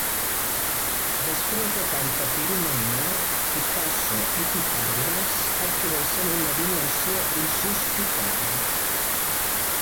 Després de tanta piromania, Picasso i Pitàgores adquireixen una dimensió insospitada.